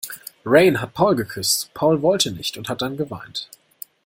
Rayen hat Paul geküsst, Paul wollte nicht und hat dann geweint.